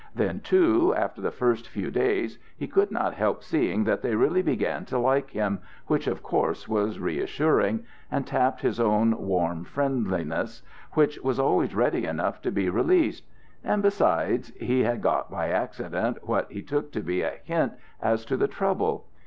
Then, too, after the first few days, he could not help seeing that they really began to like him, which of course was reassuring, and tapped his own warm friendliness, which was always ready enough to be released. And besides, he got by accident what he took to be a hint as to the trouble.